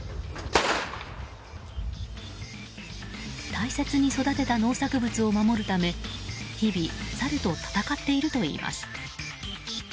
大切に育てた農作物を守るため日々サルと戦っているといいます。